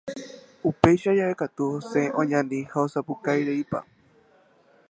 Upéicha jave katu osẽ oñani ha osapukaireipa.